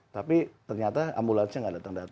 tapi ternyata ambulansnya nggak datang datang